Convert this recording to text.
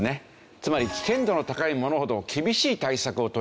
つまり危険度の高いものほど厳しい対策をとりますよと。